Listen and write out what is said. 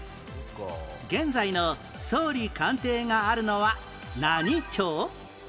現在の総理官邸があるのは何町？